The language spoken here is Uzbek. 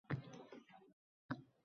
Yaratgan osmonida